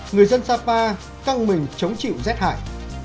người dân sapa căng mình chống chịu rét hại